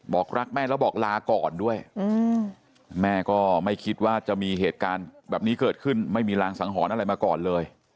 บอกรักแม่แล้วบอกลาก่อนด้วยแม่ก็ไม่คิดว่าจะมีเหตุการณ์แบบนี้เกิดขึ้นไม่มีรางสังหรณ์อะไรมาก่อนเลย